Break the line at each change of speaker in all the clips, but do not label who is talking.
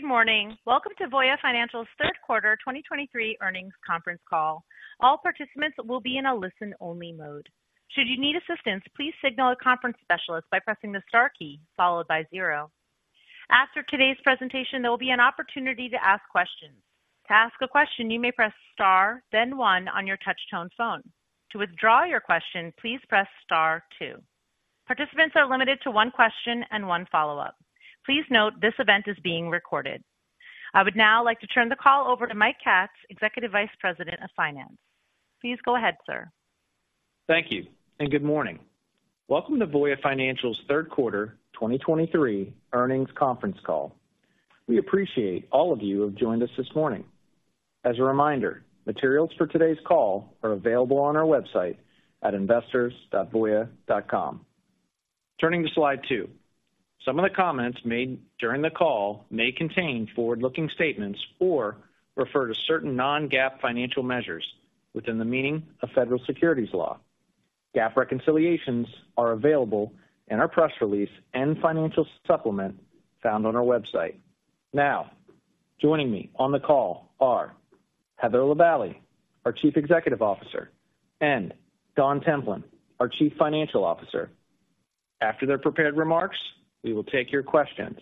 Good morning. Welcome to Voya Financial's Q3 2023 earnings conference call. All participants will be in a listen-only mode. Should you need assistance, please signal a conference specialist by pressing the star key followed by zero. After today's presentation, there will be an opportunity to ask questions. To ask a question, you may press star, then one on your touch-tone phone. To withdraw your question, please press star two. Participants are limited to one question and one follow-up. Please note this event is being recorded. I would now like to turn the call over to Mike Katz, Executive Vice President of Finance. Please go ahead, sir.
Thank you, and good morning. Welcome to Voya Financial's Q3 2023 earnings conference call. We appreciate all of you who have joined us this morning. As a reminder, materials for today's call are available on our website at investors.voya.com. Turning to slide 2. Some of the comments made during the call may contain forward-looking statements or refer to certain non-GAAP financial measures within the meaning of federal securities law. GAAP reconciliations are available in our press release and financial supplement found on our website. Now, joining me on the call are Heather Lavallee, our Chief Executive Officer, and Don Templin, our Chief Financial Officer. After their prepared remarks, we will take your questions.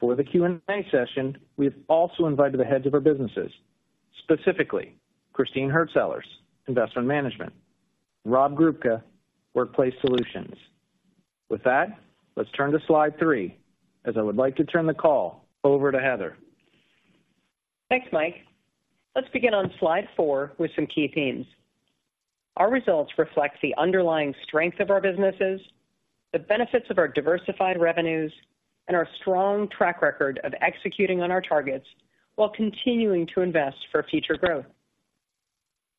For the Q&A session, we've also invited the heads of our businesses, specifically Christine Hurtsellers, Investment Management, Rob Grubka, Workplace Solutions. With that, let's turn to slide 3, as I would like to turn the call over to Heather.
Thanks, Mike. Let's begin on slide four with some key themes. Our results reflect the underlying strength of our businesses, the benefits of our diversified revenues, and our strong track record of executing on our targets while continuing to invest for future growth.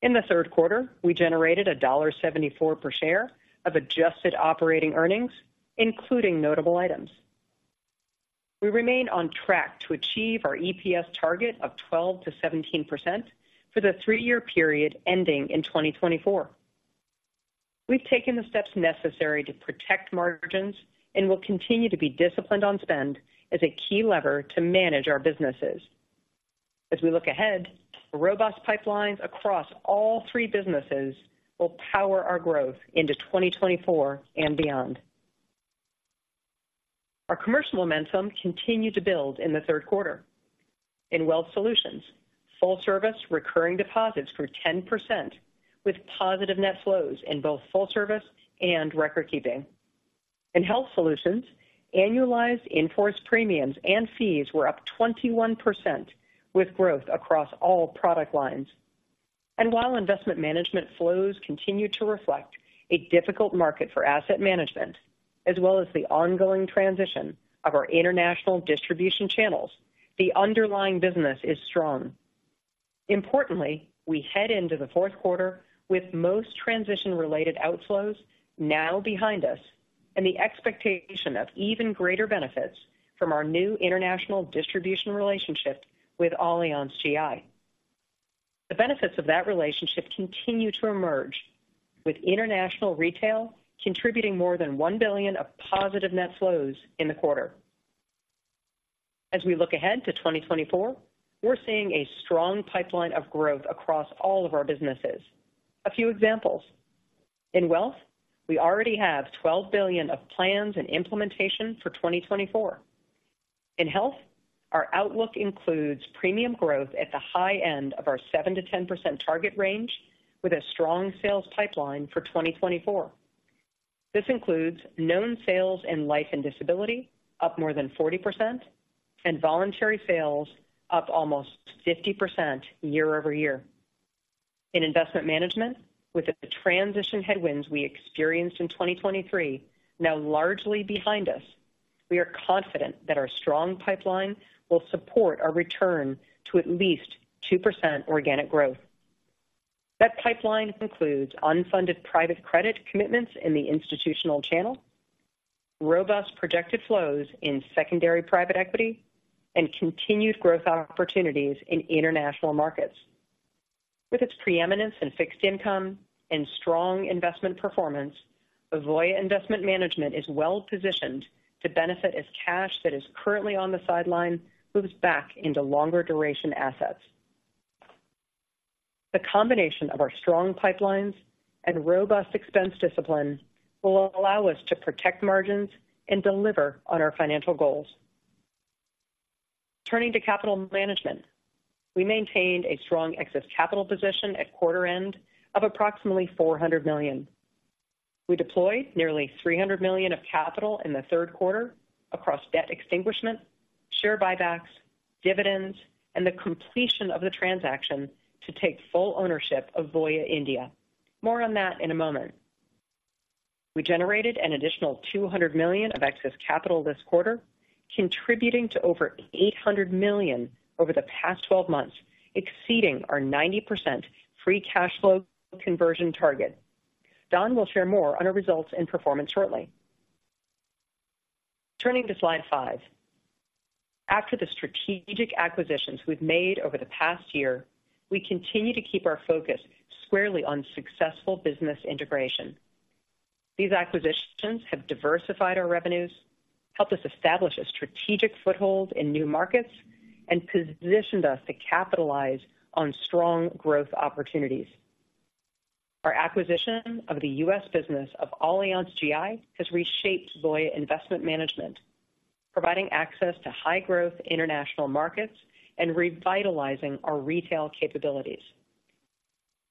In the Q3, we generated $1.74 per share of adjusted operating earnings, including notable items. We remain on track to achieve our EPS target of 12%-17% for the three-year period ending in 2024. We've taken the steps necessary to protect margins and will continue to be disciplined on spend as a key lever to manage our businesses. As we look ahead, robust pipelines across all three businesses will power our growth into 2024 and beyond. Our commercial momentum continued to build in the Q3. In Wealth Solutions, Full Service recurring deposits grew 10%, with positive net flows in both Full Service and Recordkeeping. In Health Solutions, annualized in-force premiums and fees were up 21%, with growth across all product lines. And while Investment Management flows continue to reflect a difficult market for asset management, as well as the ongoing transition of our international distribution channels, the underlying business is strong. Importantly, we head into the Q4 with most transition-related outflows now behind us and the expectation of even greater benefits from our new international distribution relationship with Allianz GI. The benefits of that relationship continue to emerge, with international retail contributing more than $1 billion of positive net flows in the quarter. As we look ahead to 2024, we're seeing a strong pipeline of growth across all of our businesses. A few examples. In Wealth, we already have $12 billion of plans in implementation for 2024. In Health, our outlook includes premium growth at the high end of our 7%-10% target range, with a strong sales pipeline for 2024. This includes known sales in life and disability, up more than 40%, and voluntary sales up almost 50% year-over-year. In Investment Management, with the transition headwinds we experienced in 2023 now largely behind us, we are confident that our strong pipeline will support our return to at least 2% organic growth. That pipeline includes unfunded private credit commitments in the institutional channel, robust projected flows in secondary private equity, and continued growth opportunities in international markets. With its preeminence in fixed income and strong investment performance, Voya Investment Management is well positioned to benefit as cash that is currently on the sideline moves back into longer-duration assets. The combination of our strong pipelines and robust expense discipline will allow us to protect margins and deliver on our financial goals. Turning to capital management, we maintained a strong excess capital position at quarter end of approximately $400 million. We deployed nearly $300 million of capital in the Q3 across debt extinguishment, share buybacks, dividends, and the completion of the transaction to take full ownership of Voya India. More on that in a moment. We generated an additional $200 million of excess capital this quarter, contributing to over $800 million over the past twelve months, exceeding our 90% free cash flow conversion target. Don will share more on our results and performance shortly. Turning to slide five. After the strategic acquisitions we've made over the past year, we continue to keep our focus squarely on successful business integration.... These acquisitions have diversified our revenues, helped us establish a strategic foothold in new markets, and positioned us to capitalize on strong growth opportunities. Our acquisition of the U.S. business of Allianz GI has reshaped Voya Investment Management, providing access to high-growth international markets and revitalizing our retail capabilities.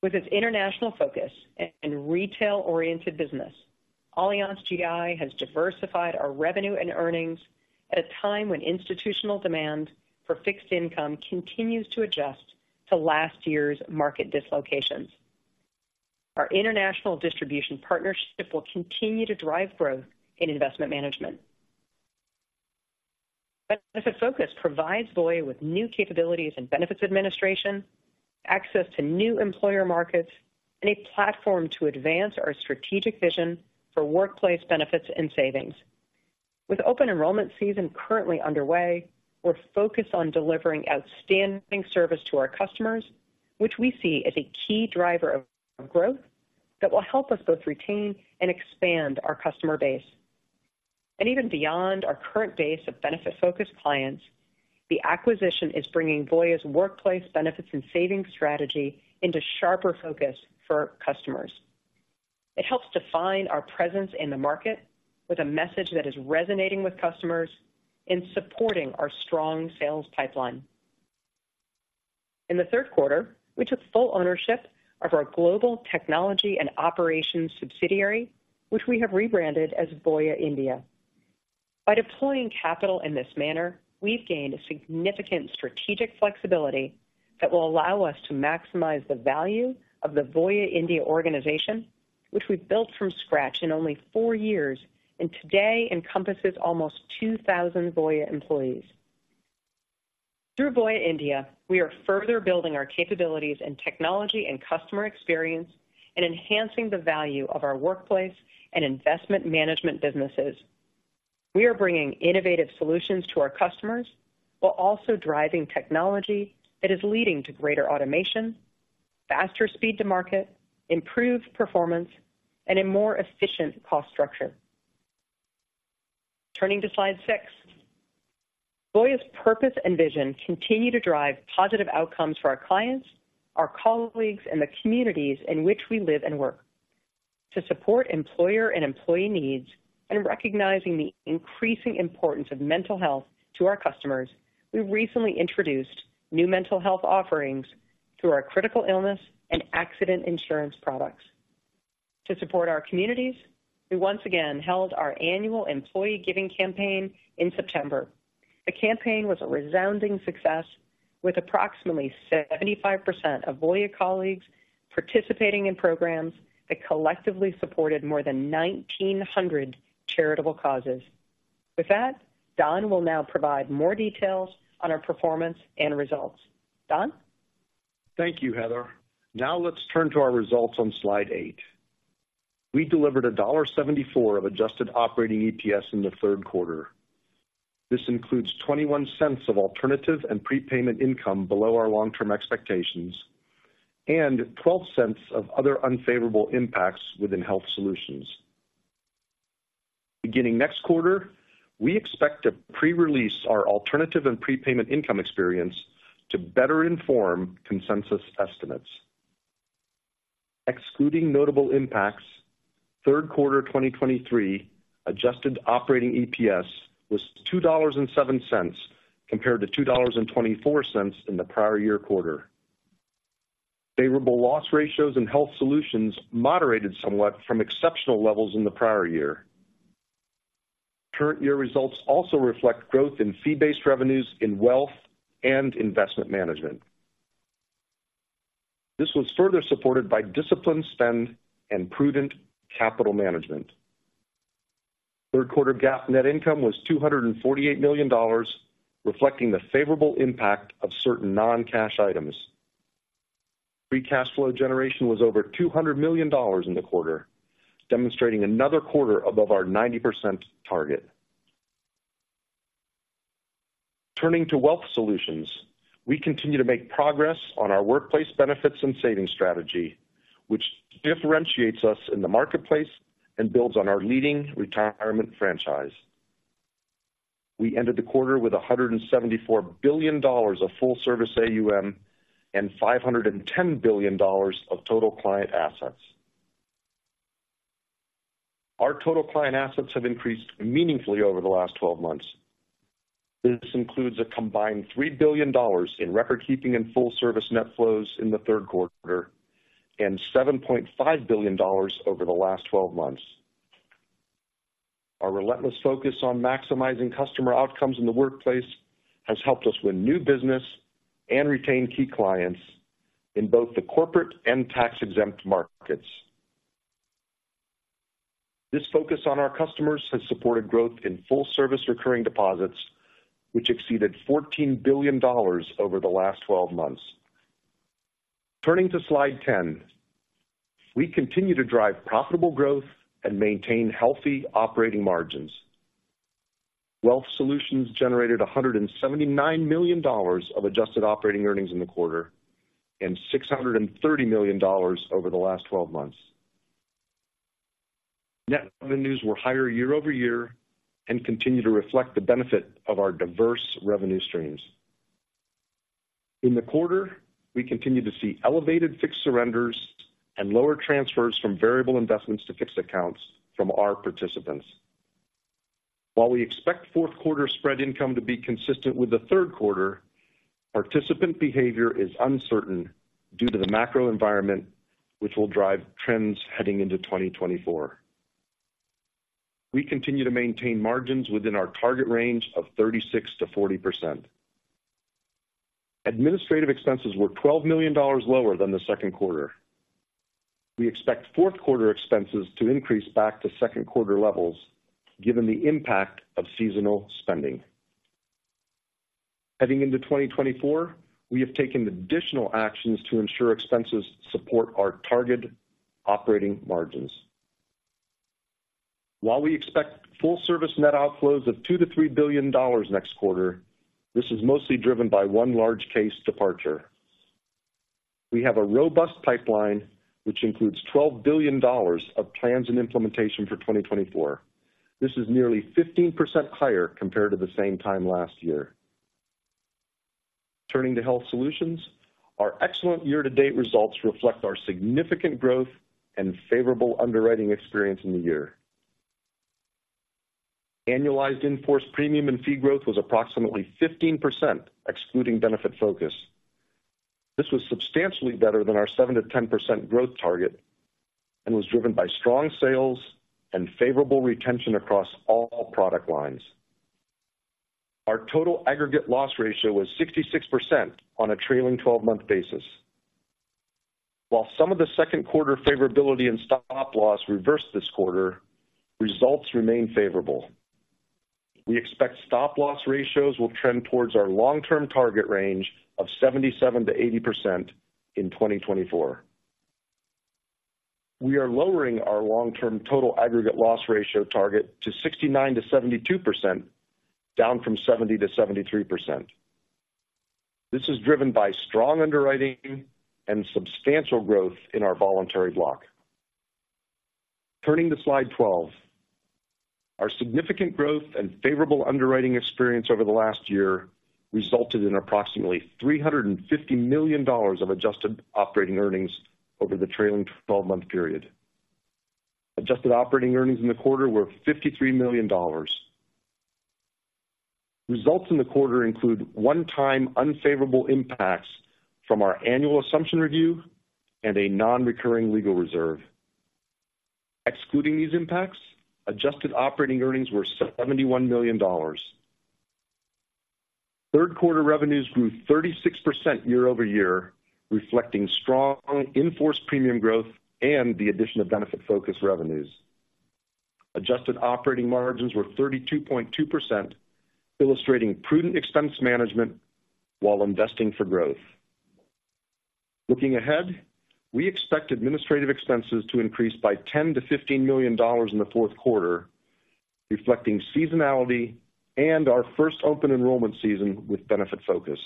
With its international focus and retail-oriented business, Allianz GI has diversified our revenue and earnings at a time when institutional demand for fixed income continues to adjust to last year's market dislocations. Our international distribution partnership will continue to drive growth in Investment Management. Benefitfocus provides Voya with new capabilities and benefits administration, access to new employer markets, and a platform to advance our strategic vision for workplace benefits and savings. With open enrollment season currently underway, we're focused on delivering outstanding service to our customers, which we see as a key driver of growth that will help us both retain and expand our customer base. And even beyond our current base of Benefitfocus clients, the acquisition is bringing Voya's workplace benefits and savings strategy into sharper focus for customers. It helps define our presence in the market with a message that is resonating with customers in supporting our strong sales pipeline. In the Q3, we took full ownership of our Global Technology and Operations subsidiary, which we have rebranded as Voya India. By deploying capital in this manner, we've gained significant strategic flexibility that will allow us to maximize the value of the Voya India organization, which we've built from scratch in only four years, and today encompasses almost 2,000 Voya employees. Through Voya India, we are further building our capabilities in technology and customer experience and enhancing the value of our workplace and Investment Management businesses. We are bringing innovative solutions to our customers, while also driving technology that is leading to greater automation, faster speed to market, improved performance, and a more efficient cost structure. Turning to slide six. Voya's purpose and vision continue to drive positive outcomes for our clients, our colleagues, and the communities in which we live and work. To support employer and employee needs, and recognizing the increasing importance of mental health to our customers, we recently introduced new mental health offerings through our critical illness and accident insurance products. To support our communities, we once again held our annual employee giving campaign in September. The campaign was a resounding success, with approximately 75% of Voya colleagues participating in programs that collectively supported more than 1,900 charitable causes. With that, Don will now provide more details on our performance and results. Don?
Thank you, Heather. Now let's turn to our results on slide 8. We delivered $1.74 of adjusted operating EPS in the Q3. This includes $0.21 of alternative and prepayment income below our long-term expectations, and $0.12 of other unfavorable impacts within Health Solutions. Beginning next quarter, we expect to pre-release our alternative and prepayment income experience to better inform consensus estimates. Excluding notable impacts, Q3 2023 adjusted operating EPS was $2.07, compared to $2.24 in the prior year quarter. Favorable loss ratios and Health Solutions moderated somewhat from exceptional levels in the prior year. Current year results also reflect growth in fee-based revenues in Wealth and Investment Management. This was further supported by disciplined spend and prudent capital management. Q3 GAAP net income was $248 million, reflecting the favorable impact of certain non-cash items. Free cash flow generation was over $200 million in the quarter, demonstrating another quarter above our 90% target. Turning to Wealth Solutions, we continue to make progress on our workplace benefits and savings strategy, which differentiates us in the marketplace and builds on our leading retirement franchise. We ended the quarter with $174 billion of Full Service AUM and $510 billion of total client assets. Our total client assets have increased meaningfully over the last 12 months. This includes a combined $3 billion in Recordkeeping and Full Service net flows in the Q3, and $7.5 billion over the last 12 months. Our relentless focus on maximizing customer outcomes in the workplace has helped us win new business and retain key clients in both the corporate and tax-exempt markets. This focus on our customers has supported growth in Full Service recurring deposits, which exceeded $14 billion over the last 12 months. Turning to slide 10. We continue to drive profitable growth and maintain healthy operating margins. Wealth Solutions generated $179 million of adjusted operating earnings in the quarter, and $630 million over the last 12 months. Net revenues were higher year-over-year and continue to reflect the benefit of our diverse revenue streams. In the quarter, we continued to see elevated fixed surrenders and lower transfers from variable investments to fixed accounts from our participants. While we expect Q4 spread income to be consistent with the Q3, participant behavior is uncertain due to the macro environment, which will drive trends heading into 2024. We continue to maintain margins within our target range of 36%-40%. Administrative expenses were $12 million lower than the Q2. We expect Q4 expenses to increase back to Q2 levels, given the impact of seasonal spending. Heading into 2024, we have taken additional actions to ensure expenses support our target operating margins. While we expect Full Service net outflows of $2 billion-$3 billion next quarter, this is mostly driven by one large case departure. We have a robust pipeline, which includes $12 billion of plans and implementation for 2024. This is nearly 15% higher compared to the same time last year. Turning to Health Solutions, our excellent year-to-date results reflect our significant growth and favorable underwriting experience in the year. Annualized in-force premium and fee growth was approximately 15%, excluding Benefitfocus. This was substantially better than our 7%-10% growth target and was driven by strong sales and favorable retention across all product lines. Our total aggregate loss ratio was 66% on a trailing 12-month basis. While some of the Q2 favorability and stop loss reversed this quarter, results remain favorable. We expect stop-loss ratios will trend towards our long-term target range of 77%-80% in 2024. We are lowering our long-term total aggregate loss ratio target to 69%-72%, down from 70%-73%. This is driven by strong underwriting and substantial growth in our voluntary block. Turning to slide 12. Our significant growth and favorable underwriting experience over the last year resulted in approximately $350 million of adjusted operating earnings over the trailing 12-month period. Adjusted operating earnings in the quarter were $53 million. Results in the quarter include one-time unfavorable impacts from our annual assumption review and a non-recurring legal reserve. Excluding these impacts, adjusted operating earnings were $71 million. Q3 revenues grew 36% year over year, reflecting strong in-force premium growth and the addition of Benefitfocus revenues. Adjusted operating margins were 32.2%, illustrating prudent expense management while investing for growth. Looking ahead, we expect administrative expenses to increase by $10 million-$15 million in the Q4, reflecting seasonality and our first open enrollment season with Benefitfocus.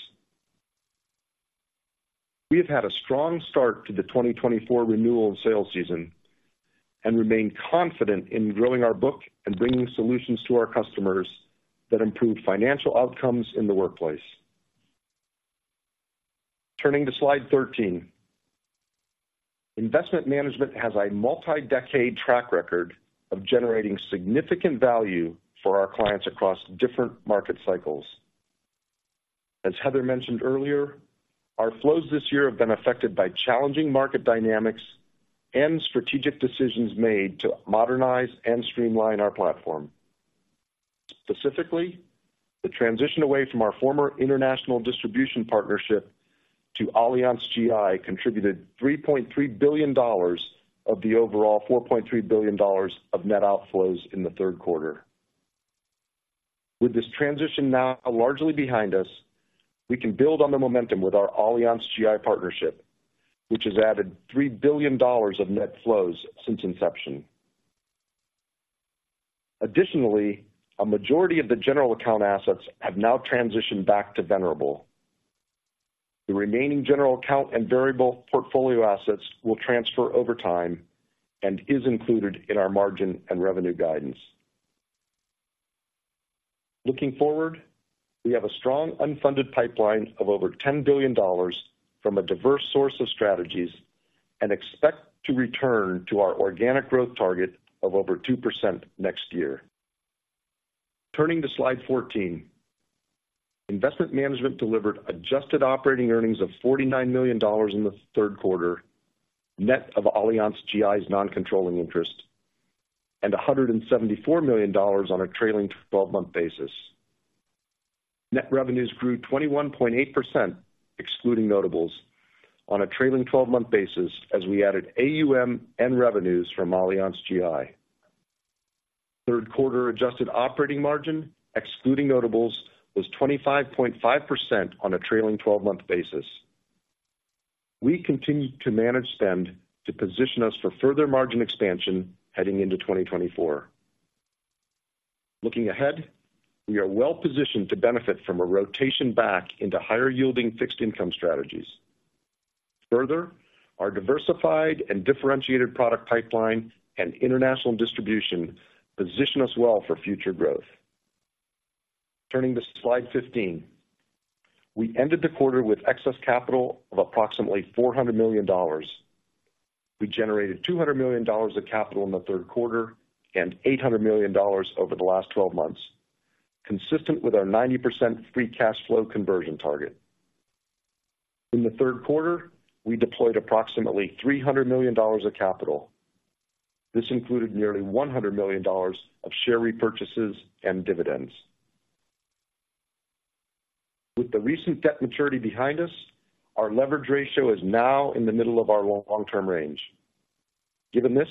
We have had a strong start to the 2024 renewal and sales season and remain confident in growing our book and bringing solutions to our customers that improve financial outcomes in the workplace. Turning to slide 13. Investment Management has a multi-decade track record of generating significant value for our clients across different market cycles. As Heather mentioned earlier, our flows this year have been affected by challenging market dynamics and strategic decisions made to modernize and streamline our platform. Specifically, the transition away from our former international distribution partnership to Allianz GI contributed $3.3 billion of the overall $4.3 billion of net outflows in the Q3. With this transition now largely behind us, we can build on the momentum with our Allianz GI partnership, which has added $3 billion of net flows since inception. Additionally, a majority of the general account assets have now transitioned back to Venerable. The remaining general account and variable portfolio assets will transfer over time and is included in our margin and revenue guidance. Looking forward, we have a strong unfunded pipeline of over $10 billion from a diverse source of strategies and expect to return to our organic growth target of over 2% next year. Turning to slide 14. Investment Management delivered adjusted operating earnings of $49 million in the Q3, net of Allianz GI's non-controlling interest, and $174 million on a trailing twelve-month basis. Net revenues grew 21.8%, excluding notables, on a trailing twelve-month basis as we added AUM and revenues from Allianz GI. Q3 adjusted operating margin, excluding notables, was 25.5% on a trailing twelve-month basis. We continue to manage spend to position us for further margin expansion heading into 2024. Looking ahead, we are well positioned to benefit from a rotation back into higher yielding fixed income strategies. Further, our diversified and differentiated product pipeline and international distribution position us well for future growth. Turning to slide 15. We ended the quarter with excess capital of approximately $400 million. We generated $200 million of capital in the Q3 and $800 million over the last twelve months, consistent with our 90% free cash flow conversion target. In the Q3, we deployed approximately $300 million of capital. This included nearly $100 million of share repurchases and dividends. With the recent debt maturity behind us, our leverage ratio is now in the middle of our long-term range. Given this,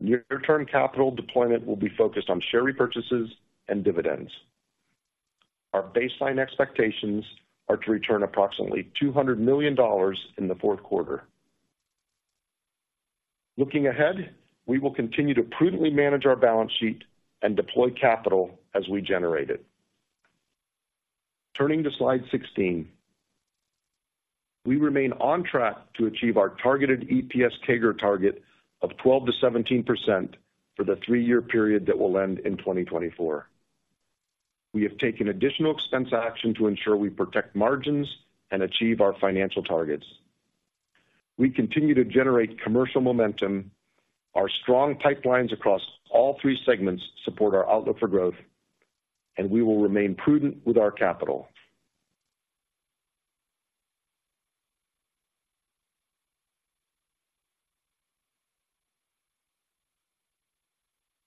near-term capital deployment will be focused on share repurchases and dividends. Our baseline expectations are to return approximately $200 million in the Q4. Looking ahead, we will continue to prudently manage our balance sheet and deploy capital as we generate it. Turning to slide 16. We remain on track to achieve our targeted EPS CAGR target of 12%-17% for the three-year period that will end in 2024. We have taken additional expense action to ensure we protect margins and achieve our financial targets. We continue to generate commercial momentum. Our strong pipelines across all three segments support our outlook for growth, and we will remain prudent with our capital.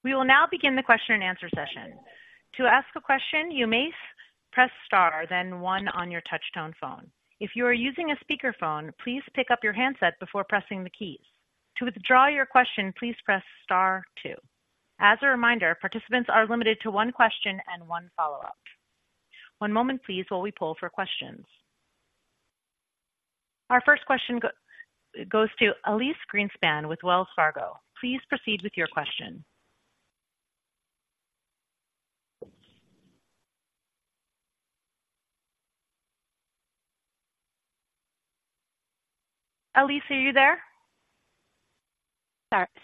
We will now begin the question and answer session. To ask a question, you may press star, then one on your touch-tone phone. If you are using a speakerphone, please pick up your handset before pressing the keys. To withdraw your question, please press star two. As a reminder, participants are limited to one question and one follow-up. One moment, please, while we poll for questions. Our first question goes to Elyse Greenspan with Wells Fargo. Please proceed with your question. Elise, are you there?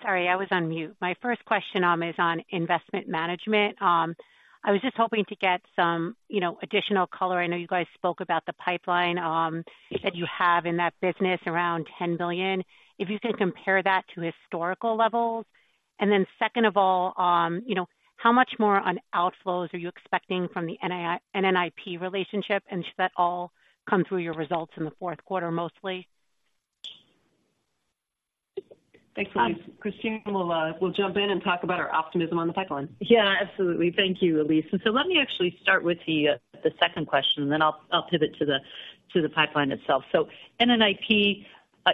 Sorry, I was on mute. My first question is on Investment Management. I was just hoping to get some, you know, additional color. I know you guys spoke about the pipeline that you have in that business, around $10 billion. If you can compare that to historical levels. And then second of all, you know, how much more on outflows are you expecting from the NNIP relationship? And should that all come through your results in the Q4, mostly?
Thanks, Elise. Christine will jump in and talk about our optimism on the pipeline.
Yeah, absolutely. Thank you, Elise. And so let me actually start with the second question, then I'll pivot to the pipeline itself. So NNIP,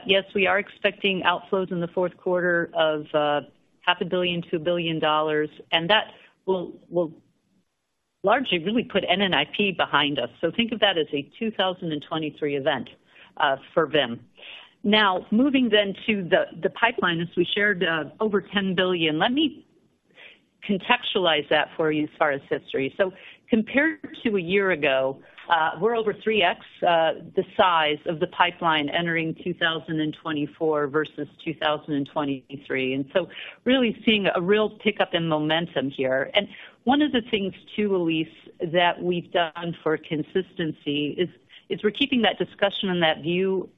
yes, we are expecting outflows in the Q4 of $500 million-$1 billion, and that will largely really put NNIP behind us. So think of that as a 2023 event for VIM. Now, moving then to the pipeline, as we shared, over $10 billion. Let me contextualize that for you as far as history. So compared to a year ago, we're over 3x the size of the pipeline entering 2024 versus 2023, and so really seeing a real pickup in momentum here. One of the things too, Elise, that we've done for consistency is we're keeping that discussion and that view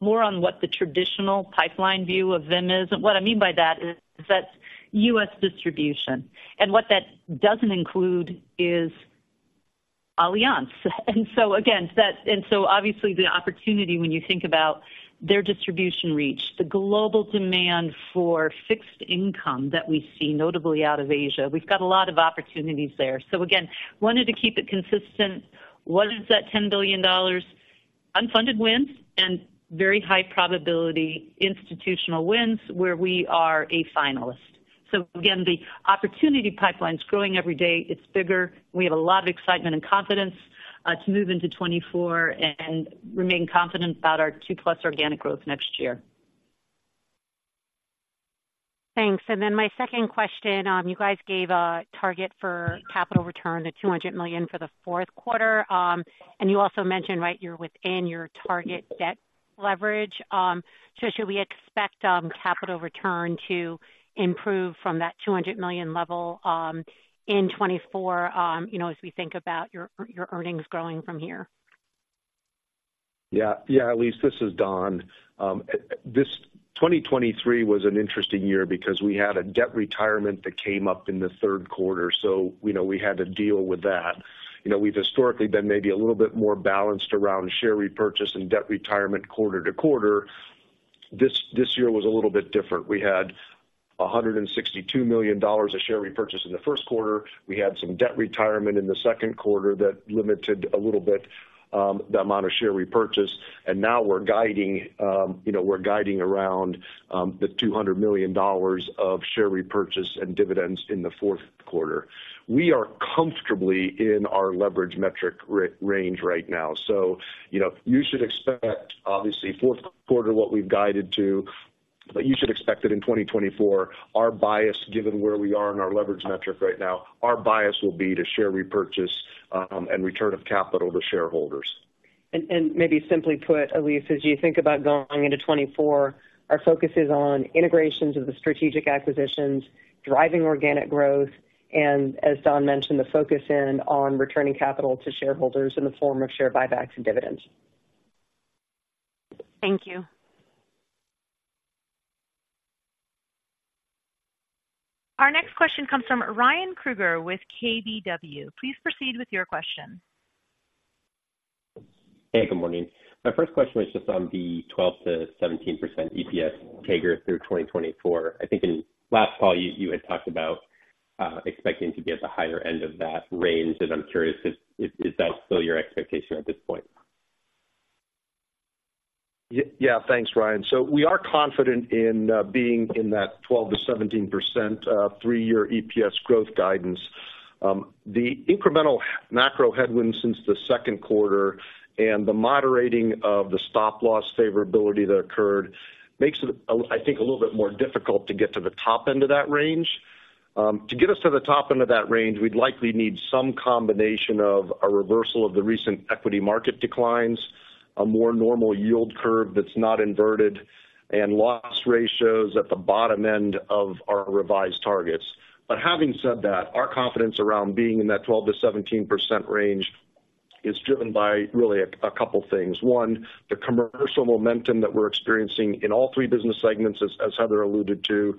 more on what the traditional pipeline view of VIM is. What I mean by that is that's U.S. distribution. What that doesn't include is Allianz. So again, that's, and so obviously the opportunity when you think about their distribution reach, the global demand for fixed income that we see, notably out of Asia, we've got a lot of opportunities there. So again, wanted to keep it consistent. What is that $10 billion? Unfunded wins and very high probability institutional wins where we are a finalist. So again, the opportunity pipeline is growing every day. It's bigger. We have a lot of excitement and confidence to move into 2024 and remain confident about our 2+ organic growth next year.
Thanks. Then my second question, you guys gave a target for capital return to $200 million for the Q4. And you also mentioned, right, you're within your target debt leverage. So should we expect capital return to improve from that $200 million level in 2024, you know, as we think about your earnings growing from here?
Yeah, yeah, Elise, this is Don. 2023 was an interesting year because we had a debt retirement that came up in the Q3, so, you know, we had to deal with that. You know, we've historically been maybe a little bit more balanced around share repurchase and debt retirement quarter to quarter. This year was a little bit different. We had $162 million of share repurchase in the Q1. We had some debt retirement in the Q2 that limited a little bit the amount of share repurchase. And now we're guiding, you know, we're guiding around the $200 million of share repurchase and dividends in the Q4. We are comfortably in our leverage metric range right now. So, you know, you should expect, obviously, Q4, what we've guided to, but you should expect that in 2024, our bias, given where we are in our leverage metric right now, our bias will be to share repurchase, and return of capital to shareholders.
And maybe simply put, Elise, as you think about going into 2024, our focus is on integrations of the strategic acquisitions, driving organic growth, and as Don mentioned, the focus is on returning capital to shareholders in the form of share buybacks and dividends.
Thank you. Our next question comes from Ryan Krueger with KBW. Please proceed with your question.
Hey, good morning. My first question was just on the 12%-17% EPS CAGR through 2024. I think in last fall, you had talked about expecting to be at the higher end of that range, and I'm curious if, is that still your expectation at this point?
Yeah. Thanks, Ryan. So we are confident in being in that 12%-17% three-year EPS growth guidance. The incremental macro headwinds since the Q2 and the moderating of the stop-loss favorability that occurred makes it, I think, a little bit more difficult to get to the top end of that range. To get us to the top end of that range, we'd likely need some combination of a reversal of the recent equity market declines, a more normal yield curve that's not inverted, and loss ratios at the bottom end of our revised targets. But having said that, our confidence around being in that 12%-17% range is driven by really a couple things. One, the commercial momentum that we're experiencing in all three business segments, as Heather alluded to,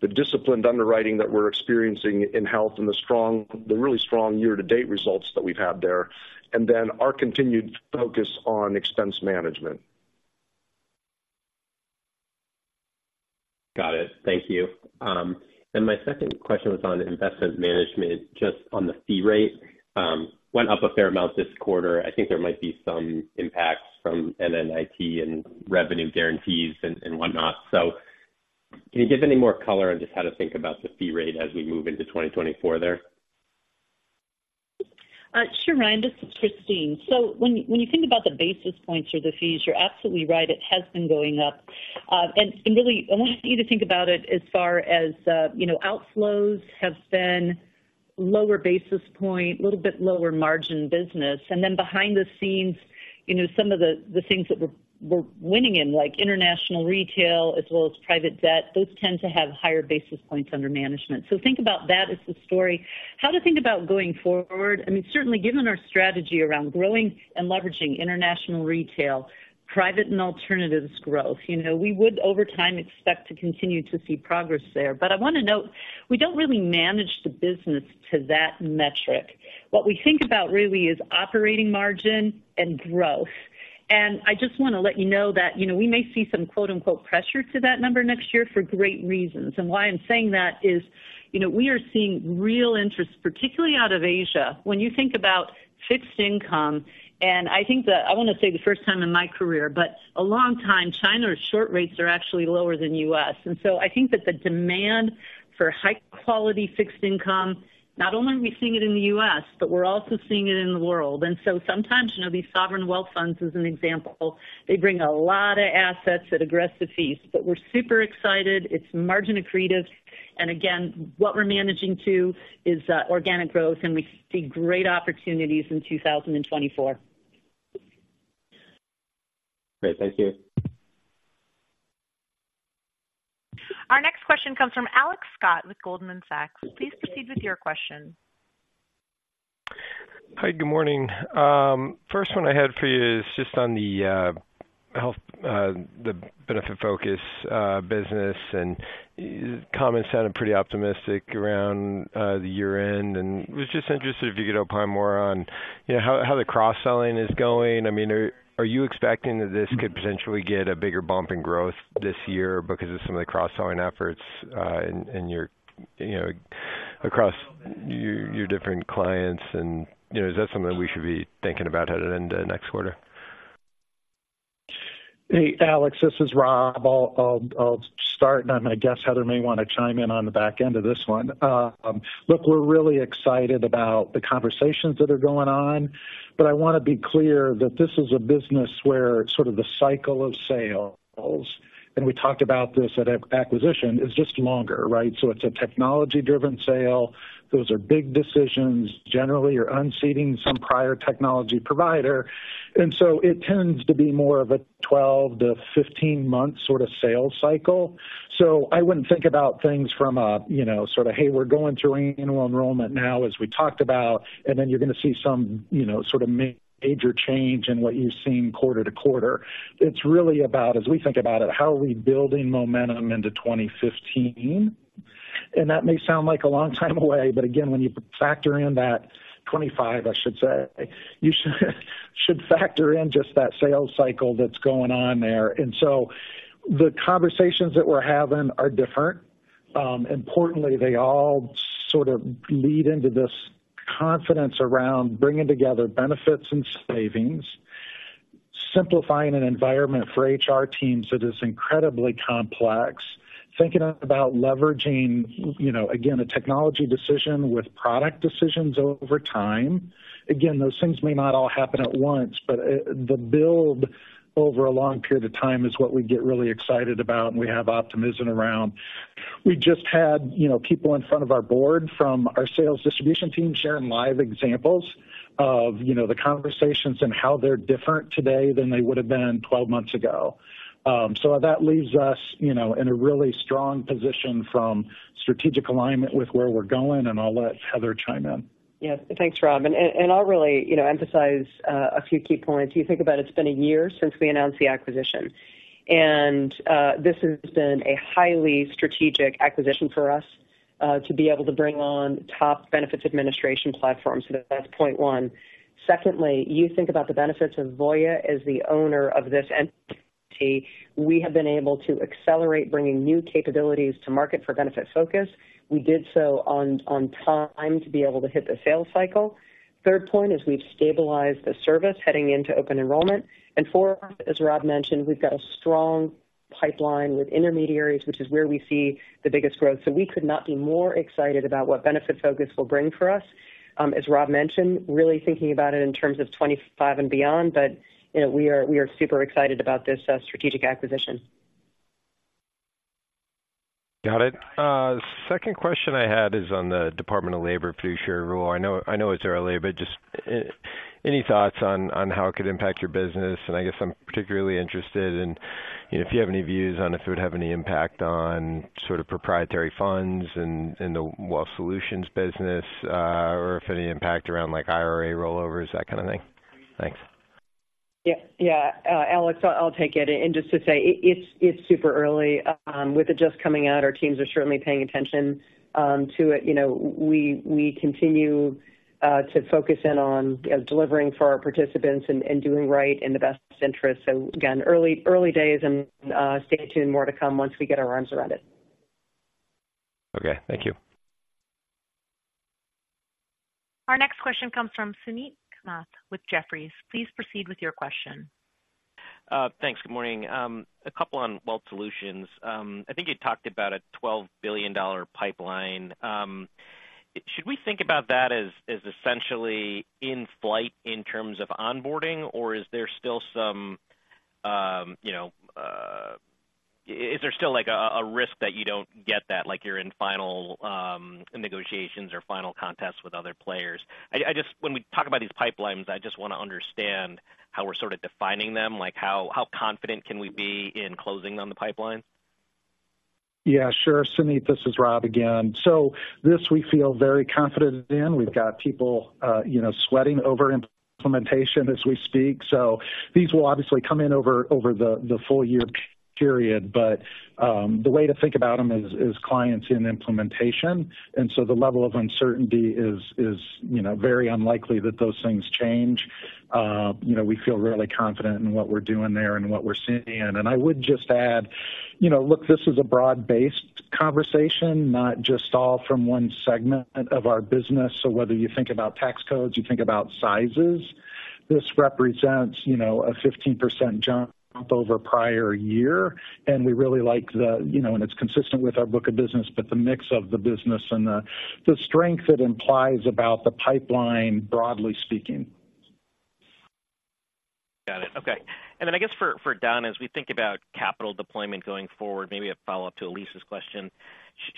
the disciplined underwriting that we're experiencing in health and the strong, the really strong year-to-date results that we've had there, and then our continued focus on expense management.
Got it. Thank you. My second question was on Investment Management. Just on the fee rate, went up a fair amount this quarter. I think there might be some impacts from NNIP and revenue guarantees and whatnot. So can you give any more color on just how to think about the fee rate as we move into 2024 there?
Sure, Ryan, this is Christine. So when you think about the basis points or the fees, you're absolutely right, it has been going up. And really, I want you to think about it as far as, you know, outflows have been lower basis point, little bit lower margin business. And then behind the scenes, you know, some of the things that we're winning in, like international retail as well as private debt, those tend to have higher basis points under management. So think about that as the story. How to think about going forward, I mean, certainly given our strategy around growing and leveraging international retail, private and alternatives growth, you know, we would over time expect to continue to see progress there. But I want to note, we don't really manage the business to that metric. What we think about really is operating margin and growth. And I just want to let you know that, you know, we may see some quote-unquote pressure to that number next year for great reasons. And why I'm saying that is, you know, we are seeing real interest, particularly out of Asia, when you think about fixed income, and I think that I want to say the first time in my career, but a long time, China's short rates are actually lower than U.S. And so I think that the demand for high-quality fixed income, not only are we seeing it in the U.S., but we're also seeing it in the world. And so sometimes, you know, these sovereign wealth funds, as an example, they bring a lot of assets at aggressive fees. But we're super excited, it's margin accretive, and again, what we're managing to is organic growth, and we see great opportunities in 2024.
Great. Thank you.
Our next question comes from Alex Scott with Goldman Sachs. Please proceed with your question.
Hi, good morning. First one I had for you is just on the health, the Benefitfocus business and comments sounded pretty optimistic around the year-end, and was just interested if you could opine more on, you know, how the cross-selling is going. I mean, are you expecting that this could potentially get a bigger bump in growth this year because of some of the cross-selling efforts in your, you know, across your different clients and, you know, is that something we should be thinking about heading into next quarter?
Hey, Alex, this is Rob. I'll start, and I guess Heather may want to chime in on the back end of this one. Look, we're really excited about the conversations that are going on, but I want to be clear that this is a business where sort of the cycle of sales, and we talked about this at acquisition, is just longer, right? So it's a technology-driven sale. Those are big decisions. Generally, you're unseating some prior technology provider, and so it tends to be more of a 12-15-month sort of sales cycle. So I wouldn't think about things from a, you know, sort of, "Hey, we're going through annual enrollment now, as we talked about, and then you're going to see some, you know, sort of major change in what you've seen quarter to quarter." It's really about, as we think about it, how are we building momentum into 2015. And that may sound like a long time away, but again, when you factor in that 25, I should say, you should factor in just that sales cycle that's going on there. And so the conversations that we're having are different. Importantly, they all sort of lead into this confidence around bringing together benefits and savings, simplifying an environment for HR teams that is incredibly complex... thinking about leveraging, you know, again, a technology decision with product decisions over time. Again, those things may not all happen at once, but the build over a long period of time is what we get really excited about, and we have optimism around. We just had, you know, people in front of our board from our sales distribution team sharing live examples of, you know, the conversations and how they're different today than they would have been 12 months ago. So that leaves us, you know, in a really strong position from strategic alignment with where we're going, and I'll let Heather chime in.
Yes. Thanks, Rob. And I'll really, you know, emphasize a few key points. You think about it's been a year since we announced the acquisition, and this has been a highly strategic acquisition for us to be able to bring on top benefits administration platforms. So that's point one. Secondly, you think about the benefits of Voya as the owner of this entity. We have been able to accelerate bringing new capabilities to market for Benefitfocus. We did so on time to be able to hit the sales cycle. Third point is we've stabilized the service heading into open enrollment, and four, as Rob mentioned, we've got a strong pipeline with intermediaries, which is where we see the biggest growth. So we could not be more excited about what Benefitfocus will bring for us. As Rob mentioned, really thinking about it in terms of 25 and beyond. But, you know, we are, we are super excited about this strategic acquisition.
Got it. Second question I had is on the Department of Labor fiduciary rule. I know, I know it's early, but just any thoughts on, on how it could impact your business? And I guess I'm particularly interested in, you know, if you have any views on if it would have any impact on sort of proprietary funds and, and the Wealth Solutions business, or if any impact around, like, IRA rollovers, that kind of thing. Thanks.
Yeah, yeah, Alex, I'll take it. And just to say it, it's, it's super early. With it just coming out, our teams are certainly paying attention to it. You know, we, we continue to focus in on delivering for our participants and, and doing right in the best interest. So again, early, early days and, stay tuned, more to come once we get our arms around it.
Okay, thank you.
Our next question comes from Suneet Kamath with Jefferies. Please proceed with your question.
Thanks. Good morning. A couple on Workplace Solutions. I think you talked about a $12 billion pipeline. Should we think about that as essentially in flight in terms of onboarding, or is there still some, you know, is there still, like, a risk that you don't get that, like you're in final negotiations or final contests with other players? I just - when we talk about these pipelines, I just want to understand how we're sort of defining them. Like, how confident can we be in closing on the pipeline?
Yeah, sure. Suneet, this is Rob again. So this we feel very confident in. We've got people, you know, sweating over implementation as we speak. So these will obviously come in over the full year period, but the way to think about them is clients in implementation, and so the level of uncertainty is, you know, very unlikely that those things change. You know, we feel really confident in what we're doing there and what we're seeing. I would just add, you know, look, this is a broad-based conversation, not just all from one segment of our business. So whether you think about tax codes, you think about sizes, this represents, you know, a 15% jump over prior year, and we really like the, you know, and it's consistent with our book of business, but the mix of the business and the strength it implies about the pipeline, broadly speaking.
Got it. Okay. And then I guess for Don, as we think about capital deployment going forward, maybe a follow-up to Elise's question.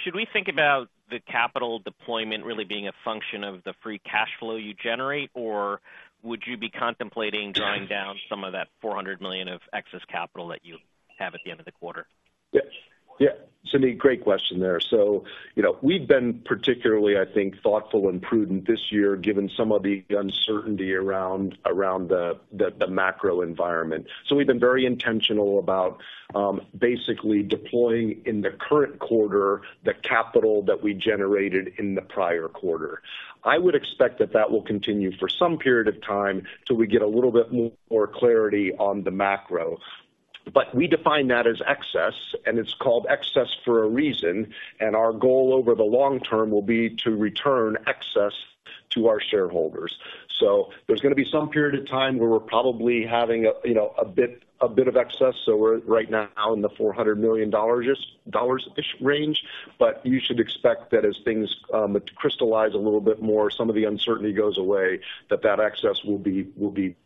Should we think about the capital deployment really being a function of the free cash flow you generate, or would you be contemplating drawing down some of that $400 million of excess capital that you have at the end of the quarter?
Yes. Yeah, Suneet, great question there. So, you know, we've been particularly, I think, thoughtful and prudent this year, given some of the uncertainty around the macro environment. So we've been very intentional about basically deploying in the current quarter the capital that we generated in the prior quarter. I would expect that will continue for some period of time till we get a little bit more clarity on the macro. But we define that as excess, and it's called excess for a reason, and our goal over the long term will be to return excess to our shareholders. So there's going to be some period of time where we're probably having a, you know, a bit of excess. So we're right now in the $400 million-ish range. But you should expect that as things crystallize a little bit more, some of the uncertainty goes away, that that excess will be, will be,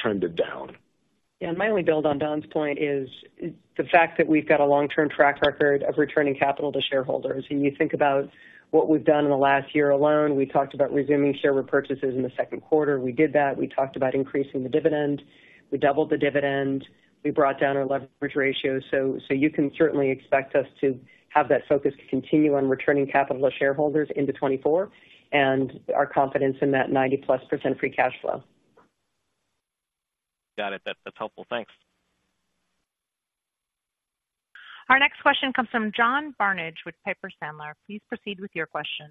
trended down.
Yeah, and my only build on Don's point is the fact that we've got a long-term track record of returning capital to shareholders. When you think about what we've done in the last year alone, we talked about resuming share repurchases in the Q2. We did that. We talked about increasing the dividend. We doubled the dividend. We brought down our leverage ratio. So, you can certainly expect us to have that focus to continue on returning capital to shareholders into 2024 and our confidence in that 90%+ free cash flow.
Got it. That's helpful. Thanks.
Our next question comes from John Barnidge with Piper Sandler. Please proceed with your question.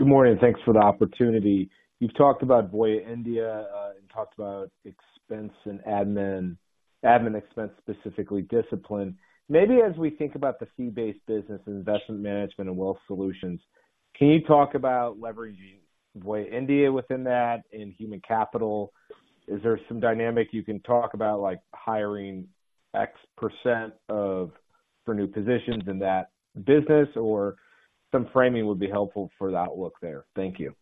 Good morning, and thanks for the opportunity. You've talked about Voya India and talked about expense and admin expense, specifically discipline. Maybe as we think about the fee-based business, Investment Management and Wealth Solutions, can you talk about leveraging Voya India within that, in human capital, is there some dynamic you can talk about, like hiring X percent for new positions in that business? Or some framing would be helpful for the outlook there. Thank you.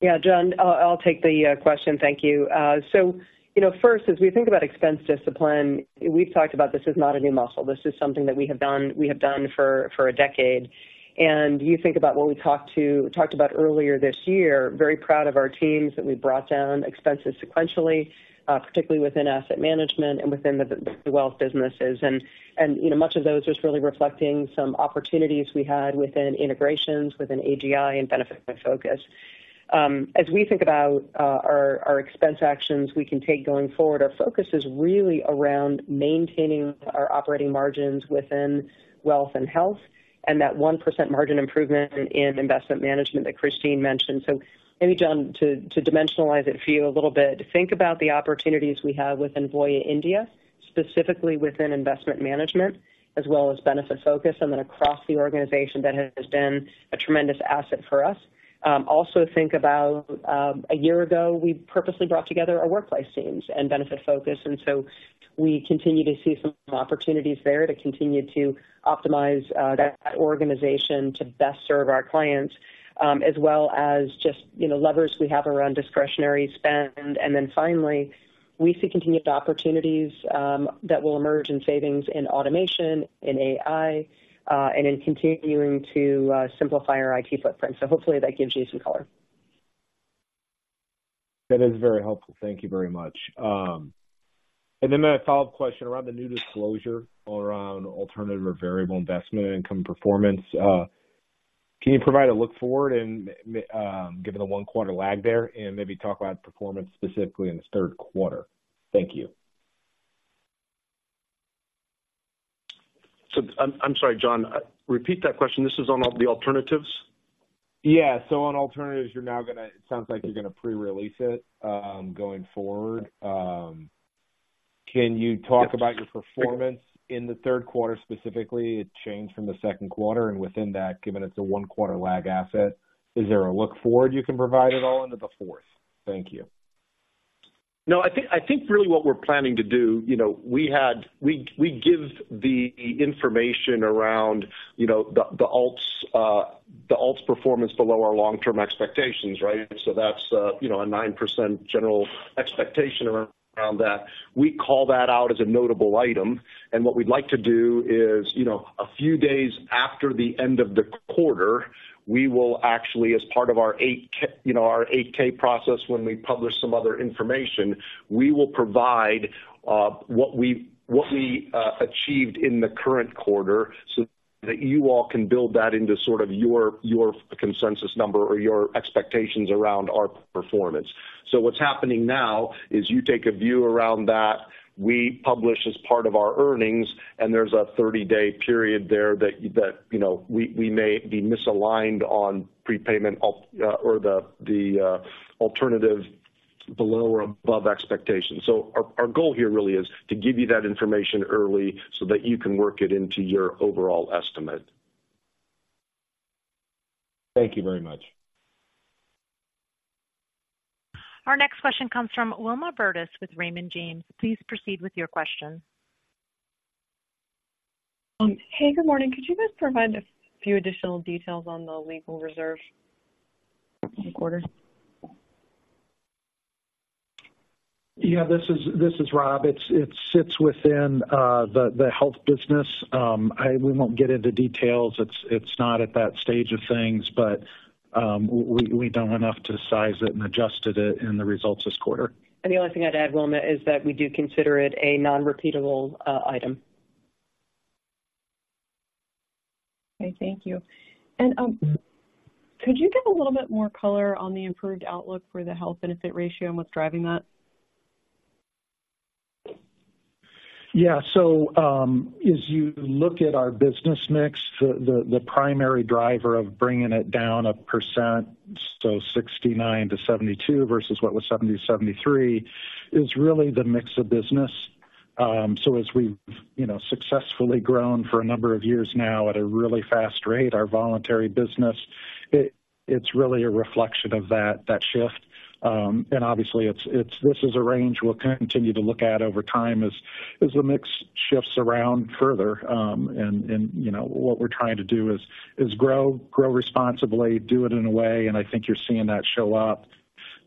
Yeah, John, I'll take the question. Thank you. So, you know, first, as we think about expense discipline, we've talked about this is not a new muscle. This is something that we have done for a decade. And you think about what we talked about earlier this year, very proud of our teams, that we brought down expenses sequentially, particularly within asset management and within the Wealth businesses. And, you know, much of those just really reflecting some opportunities we had within integrations, within AGI and Benefitfocus. As we think about our expense actions we can take going forward, our focus is really around maintaining our operating margins within Wealth and Health, and that 1% margin improvement in Investment Management that Christine mentioned. So maybe, John, to dimensionalize it for you a little bit, think about the opportunities we have within Voya India, specifically within Investment Management, as well as Benefitfocus, and then across the organization that has been a tremendous asset for us. Also think about a year ago, we purposely brought together our workplace teams and Benefitfocus, and so we continue to see some opportunities there to continue to optimize that organization to best serve our clients, as well as just, you know, levers we have around discretionary spend. And then finally, we see continued opportunities that will emerge in savings in automation, in AI, and in continuing to simplify our IT footprint. So hopefully that gives you some color.
That is very helpful. Thank you very much. And then my follow-up question around the new disclosure around alternative or variable investment income performance. Can you provide a look forward and, given the one-quarter lag there, and maybe talk about performance specifically in this Q3? Thank you.
So I'm, I'm sorry, John. Repeat that question. This is on all the alternatives?
Yeah. So on alternatives, you're now gonna, it sounds like you're gonna prerelease it, going forward. Can you talk about your performance in the Q3 specifically? It changed from the Q2, and within that, given it's a one-quarter lag asset, is there a look forward you can provide at all into the fourth? Thank you.
No, I think, I think really what we're planning to do, you know, we had—we, we give the information around, you know, the, the alts, the alts performance below our long-term expectations, right? So that's, you know, a 9% general expectation around that. We call that out as a notable item, and what we'd like to do is, you know, a few days after the end of the quarter, we will actually, as part of our eight, you know, our 8-K process, when we publish some other information, we will provide, what we achieved in the current quarter so that you all can build that into sort of your, your consensus number or your expectations around our performance. So what's happening now is you take a view around that. We publish as part of our earnings, and there's a 30-day period there that, you know, we may be misaligned on prepayment alternative below or above expectations. So our goal here really is to give you that information early so that you can work it into your overall estimate.
Thank you very much.
Our next question comes from Wilma Burdis with Raymond James. Please proceed with your question.
Hey, good morning. Could you guys provide a few additional details on the legal reserve this quarter?
Yeah, this is Rob. It sits within the health business. We won't get into details. It's not at that stage of things, but we've done enough to size it and adjusted it in the results this quarter.
The only thing I'd add, Wilma, is that we do consider it a non-repeatable item.
Okay, thank you. Could you give a little bit more color on the improved outlook for the health benefit ratio and what's driving that?
Yeah. So, as you look at our business mix, the primary driver of bringing it down a percent, so 69%-72% versus what was 70%-73%, is really the mix of business. So as we've, you know, successfully grown for a number of years now at a really fast rate, our voluntary business, it's really a reflection of that shift. And obviously, it's this is a range we'll continue to look at over time as the mix shifts around further. And, you know, what we're trying to do is grow responsibly, do it in a way, and I think you're seeing that show up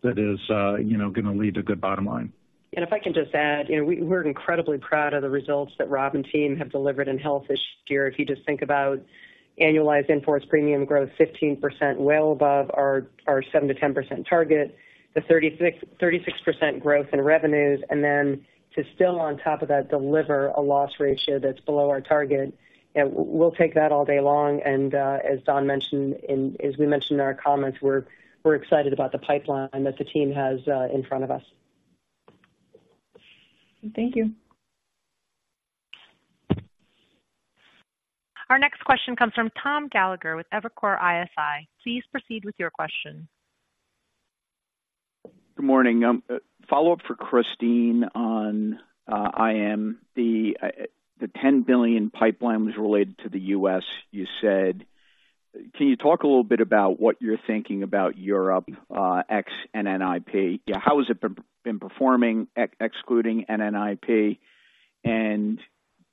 that is, you know, gonna lead to good bottom line.
If I can just add, you know, we're incredibly proud of the results that Rob and team have delivered in health this year. If you just think about annualized in-force premium growth, 15%, well above our 7%-10% target, the 36% growth in revenues, and then to still on top of that, deliver a loss ratio that's below our target. We'll take that all day long, and as we mentioned in our comments, we're excited about the pipeline that the team has in front of us.
Thank you.
Our next question comes from Tom Gallagher with Evercore ISI. Please proceed with your question.
Good morning. A follow-up for Christine on IM. The ten billion pipeline was related to the U.S., you said. Can you talk a little bit about what you're thinking about Europe ex NNIP? How has it been performing, excluding NNIP? And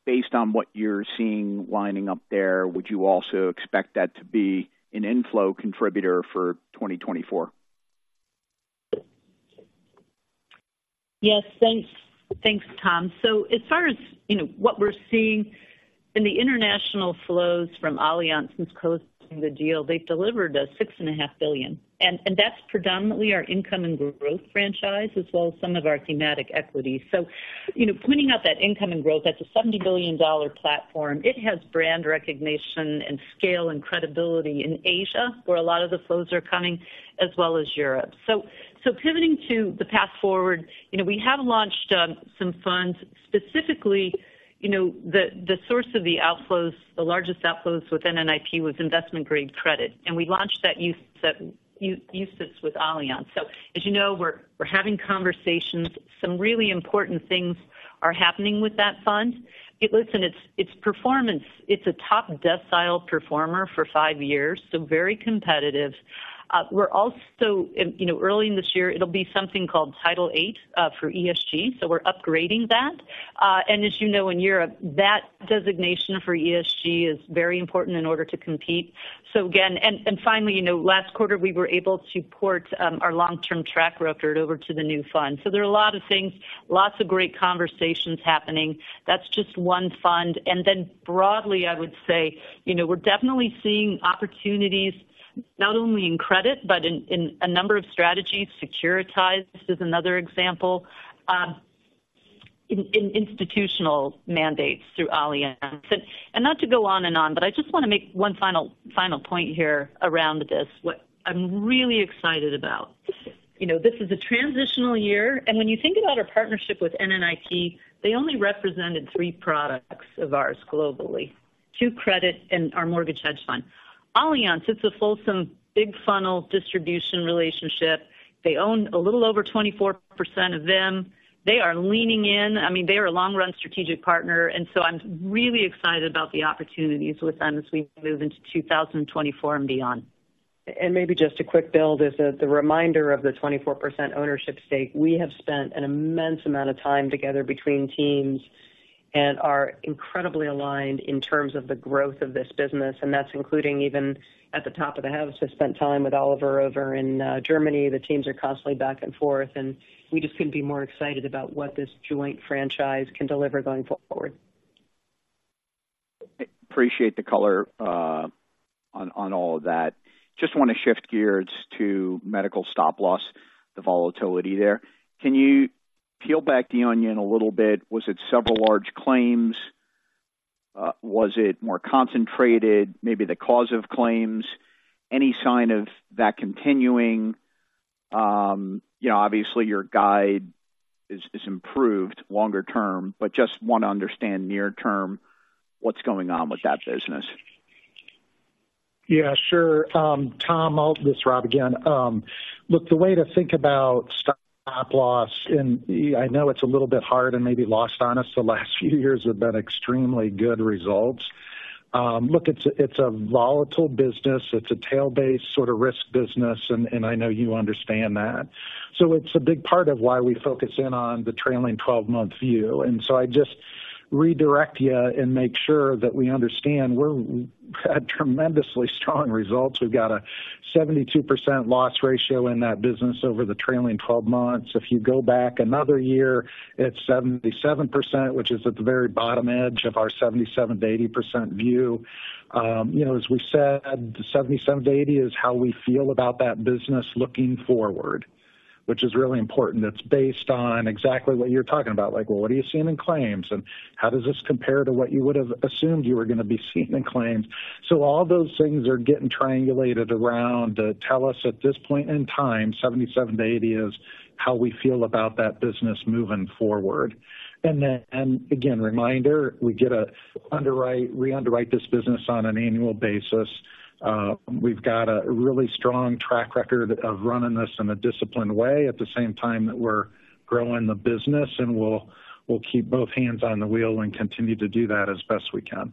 based on what you're seeing lining up there, would you also expect that to be an inflow contributor for 2024?
Yes, thanks. Thanks, Tom. So as far as, you know, what we're seeing in the international flows from Allianz, since closing the deal, they've delivered us $6.5 billion, and that's predominantly our Income & Growth franchise, as well as some of our thematic equities. So, you know, pointing out that Income & Growth, that's a $70 billion platform. It has brand recognition and scale and credibility in Asia, where a lot of the flows are coming, as well as Europe. So pivoting to the path forward, you know, we have launched some funds specifically, you know, the source of the outflows, the largest outflows with NNIP was investment-grade credit, and we launched that use case with Allianz. So as you know, we're having conversations. Some really important things are happening with that fund. Listen, it's performance... It's a top decile performer for five years, so very competitive. We're also, you know, early in this year, it'll be something called Article 8, for ESG, so we're upgrading that. And as you know, in Europe, that designation for ESG is very important in order to compete. So again, and finally, you know, last quarter, we were able to port our long-term track record over to the new fund. So there are a lot of things, lots of great conversations happening. That's just one fund. And then broadly, I would say, you know, we're definitely seeing opportunities not only in credit, but in a number of strategies. Securitized is another example, in institutional mandates through Allianz. And not to go on and on, but I just want to make one final, final point here around this, what I'm really excited about. You know, this is a transitional year, and when you think about our partnership with NNIP, they only represented three products of ours globally, two credit and our mortgage hedge fund. Allianz, it's a fulsome, big funnel distribution relationship. They own a little over 24% of them. They are leaning in. I mean, they are a long-run strategic partner, and so I'm really excited about the opportunities with them as we move into 2024 and beyond.
Maybe just a quick build is that the reminder of the 24% ownership stake, we have spent an immense amount of time together between teams and are incredibly aligned in terms of the growth of this business, and that's including even at the top of the house. I've spent time with Oliver over in Germany. The teams are constantly back and forth, and we just couldn't be more excited about what this joint franchise can deliver going forward.
Appreciate the color, on, on all of that. Just want to shift gears to medical stop loss, the volatility there. Can you peel back the onion a little bit? Was it several large claims? Was it more concentrated, maybe the cause of claims? Any sign of that continuing? You know, obviously your guide is, is improved longer term, but just want to understand near term, what's going on with that business?
Yeah, sure. Tom, this is Rob again. Look, the way to think about stop loss, and I know it's a little bit hard and maybe lost on us, the last few years have been extremely good results. Look, it's a volatile business. It's a tail-based sort of risk business, and I know you understand that. So it's a big part of why we focus in on the trailing twelve-month view. And so I just redirect you and make sure that we understand we're at tremendously strong results. We've got a 72% loss ratio in that business over the trailing twelve months. If you go back another year, it's 77%, which is at the very bottom edge of our 77%-80% view. You know, as we said, 77-80 is how we feel about that business looking forward, which is really important. It's based on exactly what you're talking about, like, well, what are you seeing in claims? And how does this compare to what you would have assumed you were going to be seeing in claims? So all those things are getting triangulated around to tell us at this point in time, 77-80 is how we feel about that business moving forward. And then, again, reminder, we get to underwrite. We underwrite this business on an annual basis. We've got a really strong track record of running this in a disciplined way at the same time that we're growing the business, and we'll, we'll keep both hands on the wheel and continue to do that as best we can.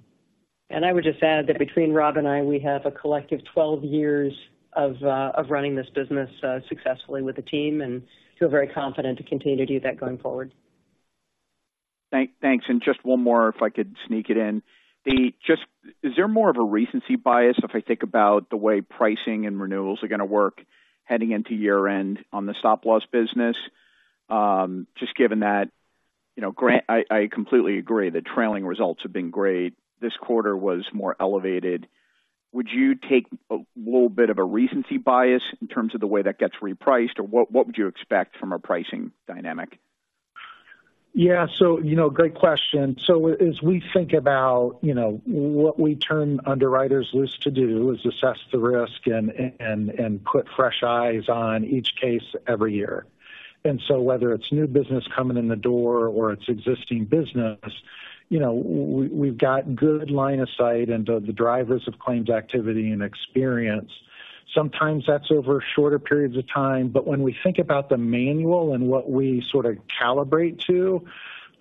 I would just add that between Rob and I, we have a collective 12 years of running this business successfully with the team, and feel very confident to continue to do that going forward.
Thanks. And just one more, if I could sneak it in. Just, is there more of a recency bias if I think about the way pricing and renewals are going to work heading into year-end on the stop-loss business? Just given that, you know, granted, I completely agree, the trailing results have been great. This quarter was more elevated. Would you take a little bit of a recency bias in terms of the way that gets repriced, or what would you expect from a pricing dynamic?
Yeah, so you know, great question. So as we think about, you know, what we turn underwriters loose to do, is assess the risk and put fresh eyes on each case every year. And so whether it's new business coming in the door or it's existing business, you know, we've got good line of sight into the drivers of claims, activity, and experience. Sometimes that's over shorter periods of time, but when we think about the manual and what we sort of calibrate to,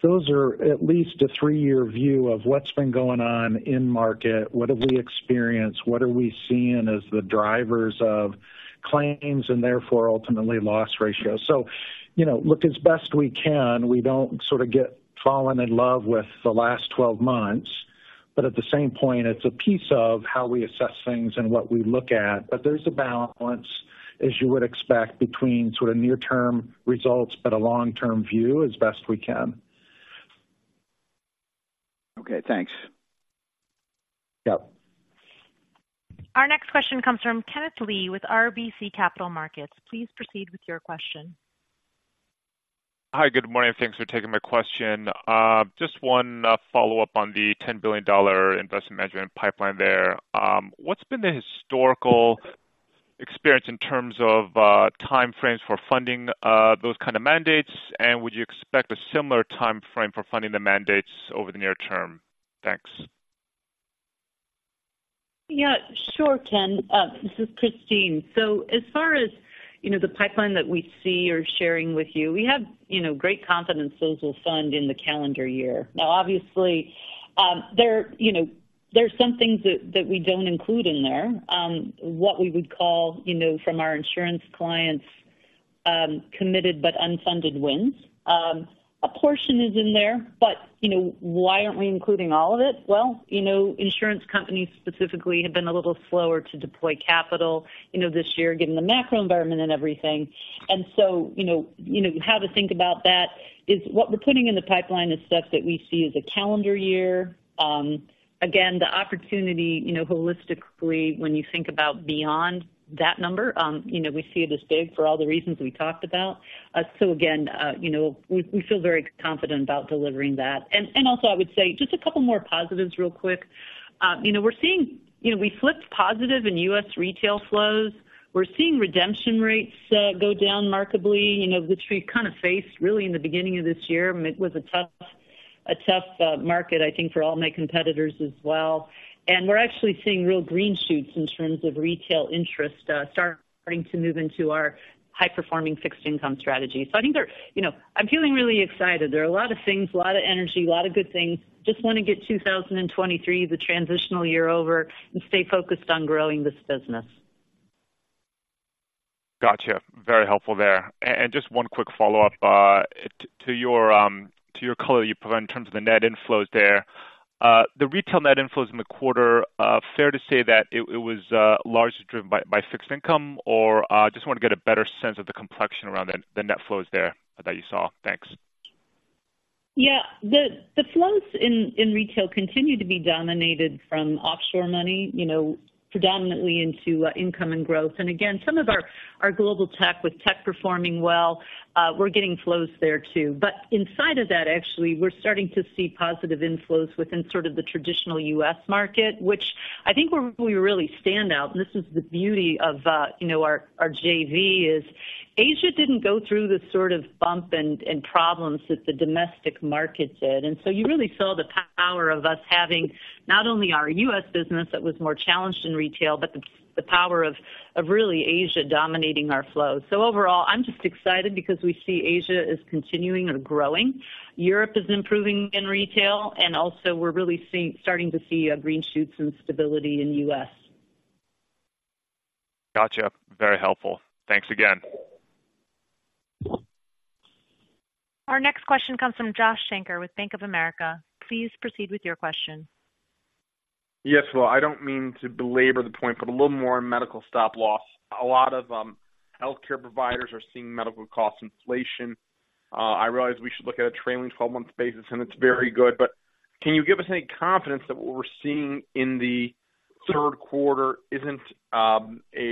those are at least a three-year view of what's been going on in market. What have we experienced? What are we seeing as the drivers of claims, and therefore, ultimately, loss ratio? So, you know, look, as best we can, we don't sort of get fallen in love with the last 12 months, but at the same point, it's a piece of how we assess things and what we look at. But there's a balance, as you would expect, between sort of near-term results, but a long-term view as best we can. Okay, thanks. Yep.
Our next question comes from Kenneth Lee with RBC Capital Markets. Please proceed with your question.
Hi, good morning, and thanks for taking my question. Just one follow-up on the $10 billion Investment Management pipeline there. What's been the historical experience in terms of time frames for funding those kind of mandates? And would you expect a similar time frame for funding the mandates over the near term? Thanks.
Yeah, sure, Ken. This is Christine. So as far as, you know, the pipeline that we see or sharing with you, we have, you know, great confidence those will fund in the calendar year. Now, obviously, there, you know, there's some things that we don't include in there, what we would call, you know, from our insurance clients, committed but unfunded wins. A portion is in there, but, you know, why aren't we including all of it? Well, you know, insurance companies specifically have been a little slower to deploy capital, you know, this year, given the macro environment and everything. And so, you know, you know, how to think about that is what we're putting in the pipeline is stuff that we see as a calendar year. Again, the opportunity, you know, holistically, when you think about beyond that number, you know, we see it as big for all the reasons we talked about. So again, you know, we feel very confident about delivering that. And also I would say just a couple more positives real quick. You know, we're seeing... You know, we flipped positive in U.S. retail flows. We're seeing redemption rates go down markedly, you know, which we kind of faced really in the beginning of this year. It was a tough market, I think, for all my competitors as well. And we're actually seeing real green shoots in terms of retail interest starting to move into our high-performing fixed income strategy. So I think they're, you know, I'm feeling really excited. There are a lot of things, a lot of energy, a lot of good things. Just want to get 2023, the transitional year over, and stay focused on growing this business.
Gotcha. Very helpful there. And just one quick follow-up to your color you provided in terms of the net inflows there. The retail net inflows in the quarter, fair to say that it was largely driven by fixed income, or just want to get a better sense of the complexion around the net flows there that you saw. Thanks.
Yeah. The flows in retail continue to be dominated from offshore money, you know, predominantly into Income and Growth. And again, some of our global tech, with tech performing well, we're getting flows there too. But inside of that, actually, we're starting to see positive inflows within sort of the traditional U.S. market, which I think we really stand out. And this is the beauty of, you know, our JV is Asia didn't go through the sort of bump and problems that the domestic market did. And so you really saw the power of us having not only our U.S. business that was more challenged in retail, but the power of really Asia dominating our flows. So overall, I'm just excited because we see Asia as continuing and growing. Europe is improving in retail, and also we're really starting to see green shoots and stability in U.S.
Gotcha. Very helpful. Thanks again.
Our next question comes from Josh Shanker with Bank of America. Please proceed with your question.
Yes, well, I don't mean to belabor the point, but a little more on medical stop loss. A lot of healthcare providers are seeing medical cost inflation. I realize we should look at a trailing twelve-month basis, and it's very good. But can you give us any confidence that what we're seeing in the Q3 isn't a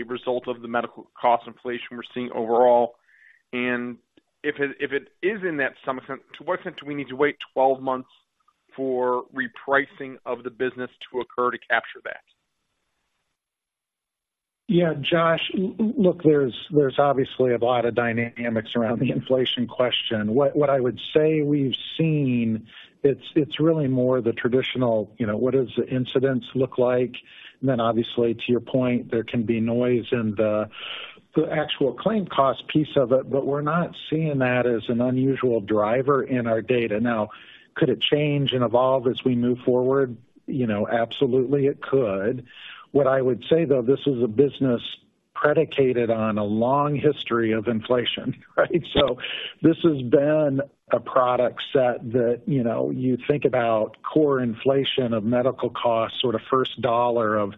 result of the medical cost inflation we're seeing overall? And if it is to some extent, to what extent do we need to wait twelve months for repricing of the business to occur to capture that? Yeah, Josh, look, there's obviously a lot of dynamics around the inflation question. What I would say we've seen, it's really more the traditional, you know, what does the incidence look like?
And then obviously, to your point, there can be noise in the actual claim cost piece of it, but we're not seeing that as an unusual driver in our data. Now, could it change and evolve as we move forward? You know, absolutely it could. What I would say, though, this is a business predicated on a long history of inflation, right? So this has been a product set that, you know, you think about core inflation of medical costs, sort of first dollar of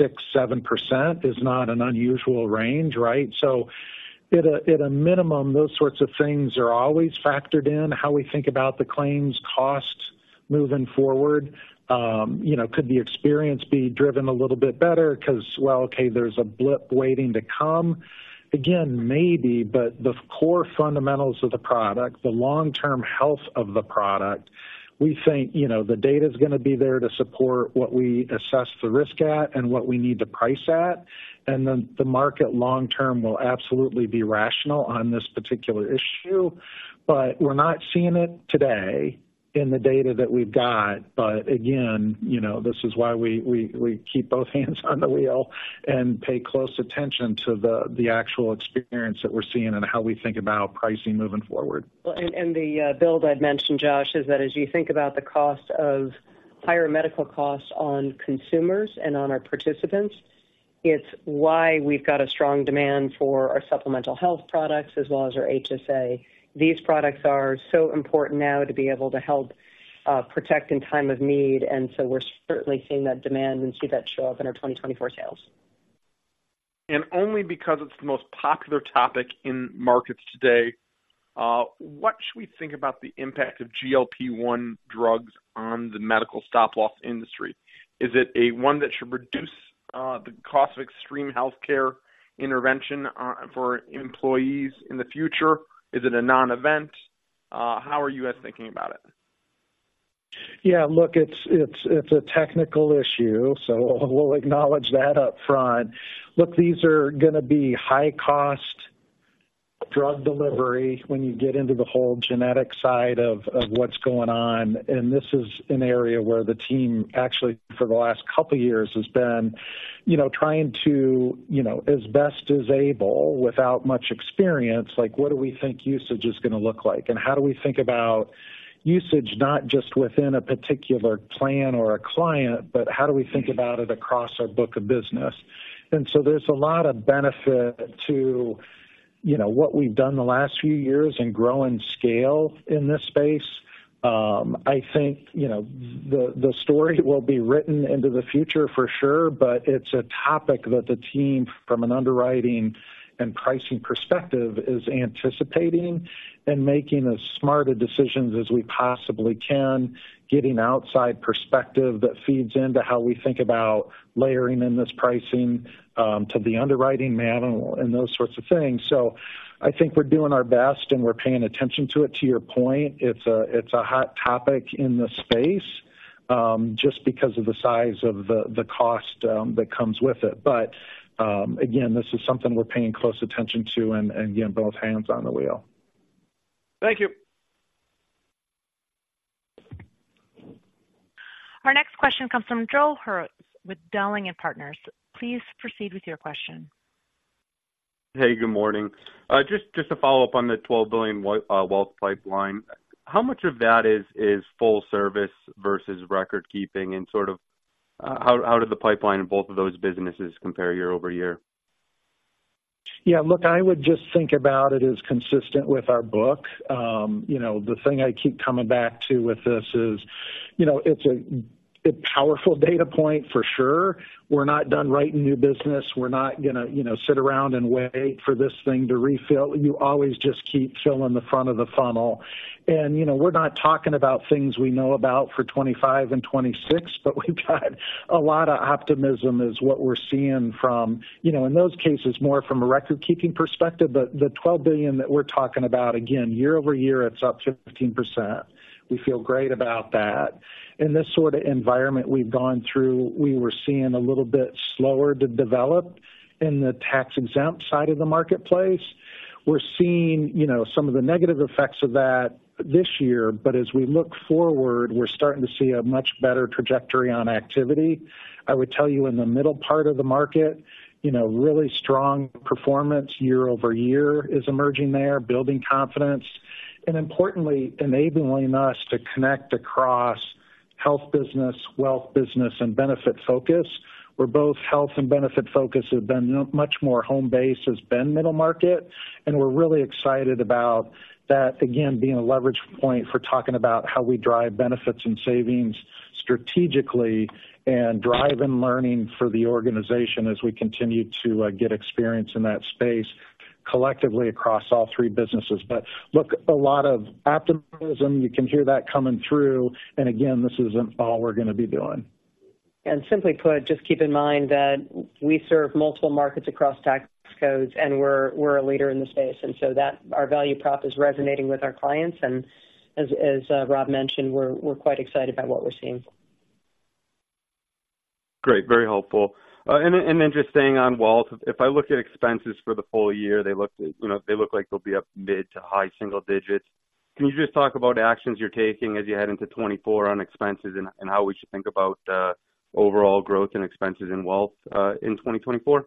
6%-7% is not an unusual range, right? So at a minimum, those sorts of things are always factored in how we think about the claims costs moving forward. You know, could the experience be driven a little bit better? Because, well, okay, there's a blip waiting to come. Again, maybe, but the core fundamentals of the product, the long-term health of the product, we think, you know, the data is going to be there to support what we assess the risk at and what we need to price at, and then the market long term will absolutely be rational on this particular issue... but we're not seeing it today in the data that we've got. But again, you know, this is why we keep both hands on the wheel and pay close attention to the actual experience that we're seeing and how we think about pricing moving forward.
Well, and the build I'd mentioned, Josh, is that as you think about the cost of higher medical costs on consumers and on our participants, it's why we've got a strong demand for our supplemental health products as well as our HSA. These products are so important now to be able to help protect in time of need, and so we're certainly seeing that demand and see that show up in our 2024 sales.
Only because it's the most popular topic in markets today, what should we think about the impact of GLP-1 drugs on the medical stop-loss industry? Is it a one that should reduce the cost of extreme healthcare intervention for employees in the future? Is it a non-event? How are you guys thinking about it?
Yeah, look, it's a technical issue, so we'll acknowledge that upfront. Look, these are gonna be high-cost drug delivery when you get into the whole genetic side of what's going on. And this is an area where the team, actually, for the last couple of years, has been, you know, trying to, you know, as best as able, without much experience, like, what do we think usage is gonna look like? And how do we think about usage, not just within a particular plan or a client, but how do we think about it across our book of business? And so there's a lot of benefit to, you know, what we've done the last few years in growing scale in this space. I think, you know, the, the story will be written into the future for sure, but it's a topic that the team, from an underwriting and pricing perspective, is anticipating and making as smart a decisions as we possibly can, getting outside perspective that feeds into how we think about layering in this pricing, to the underwriting model and those sorts of things. So I think we're doing our best, and we're paying attention to it. To your point, it's a, it's a hot topic in the space, just because of the size of the, the cost, that comes with it. But, again, this is something we're paying close attention to, and, again, both hands on the wheel.
Thank you.
Our next question comes from Joel Hurwitz with Dowling & Partners. Please proceed with your question.
Hey, good morning. Just to follow up on the $12 billion Wealth pipeline. How much of that is Full Service versus Recordkeeping, and sort of, how did the pipeline in both of those businesses compare year-over-year?
Yeah, look, I would just think about it as consistent with our book. You know, the thing I keep coming back to with this is, you know, it's a powerful data point for sure. We're not done writing new business. We're not gonna, you know, sit around and wait for this thing to refill. You always just keep filling the front of the funnel. And, you know, we're not talking about things we know about for 2025 and 2026, but we've got a lot of optimism is what we're seeing from. You know, in those cases, more from a record-keeping perspective. But the $12 billion that we're talking about, again, year-over-year, it's up 15%. We feel great about that. In this sort of environment we've gone through, we were seeing a little bit slower to develop in the tax-exempt side of the marketplace. We're seeing, you know, some of the negative effects of that this year, but as we look forward, we're starting to see a much better trajectory on activity. I would tell you, in the middle part of the market, you know, really strong performance year over year is emerging there, building confidence, and importantly, enabling us to connect across health business, Wealth business, and Benefitfocus, where both health and Benefitfocus have been much more homebase has been middle market. And we're really excited about that, again, being a leverage point for talking about how we drive benefits and savings strategically, and drive and learning for the organization as we continue to get experience in that space collectively across all three businesses. But look, a lot of optimism. You can hear that coming through, and again, this isn't all we're gonna be doing.
Simply put, just keep in mind that we serve multiple markets across tax codes, and we're a leader in the space, so our value prop is resonating with our clients, and as Rob mentioned, we're quite excited about what we're seeing.
Great, very helpful. And just staying on Wealth, if I look at expenses for the full year, they look, you know, they look like they'll be up mid- to high single digits. Can you just talk about actions you're taking as you head into 2024 on expenses and how we should think about overall growth and expenses in Wealth in 2024?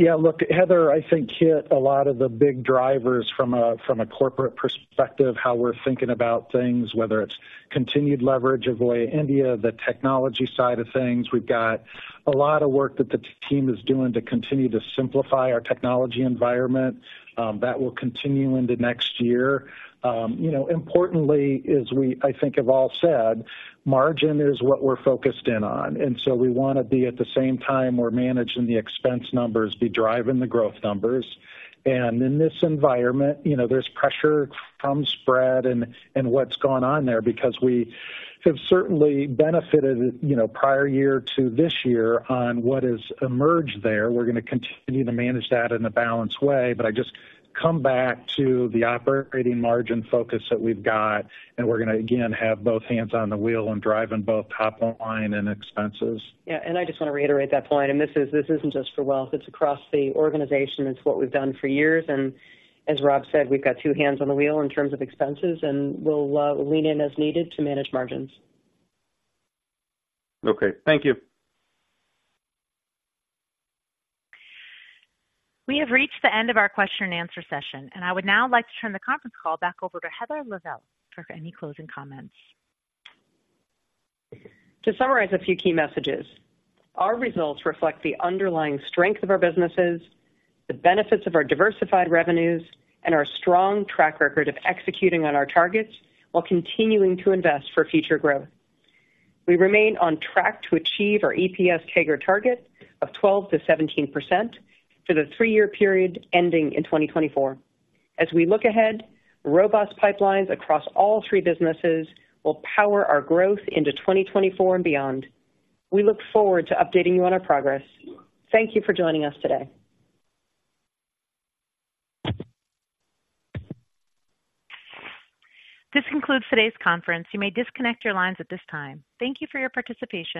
Yeah, look, Heather, I think hit a lot of the big drivers from a corporate perspective, how we're thinking about things, whether it's continued leverage of India, the technology side of things. We've got a lot of work that the team is doing to continue to simplify our technology environment. That will continue into next year. You know, importantly, as we, I think, have all said, margin is what we're focused in on, and so we wanna be at the same time we're managing the expense numbers, be driving the growth numbers. And in this environment, you know, there's pressure from spread and what's gone on there because we have certainly benefited, you know, prior year to this year on what has emerged there. We're gonna continue to manage that in a balanced way, but I just come back to the operating margin focus that we've got, and we're gonna, again, have both hands on the wheel and drive in both top line and expenses.
Yeah, and I just want to reiterate that point, and this is, this isn't just for Wealth. It's across the organization. It's what we've done for years, and as Rob said, we've got two hands on the wheel in terms of expenses, and we'll lean in as needed to manage margins.
Okay, thank you.
We have reached the end of our question and answer session, and I would now like to turn the conference call back over to Heather Lavallee for any closing comments.
To summarize a few key messages, our results reflect the underlying strength of our businesses, the benefits of our diversified revenues, and our strong track record of executing on our targets while continuing to invest for future growth. We remain on track to achieve our EPS CAGR target of 12%-17% for the three-year period ending in 2024. As we look ahead, robust pipelines across all three businesses will power our growth into 2024 and beyond. We look forward to updating you on our progress. Thank you for joining us today.
This concludes today's conference. You may disconnect your lines at this time. Thank you for your participation.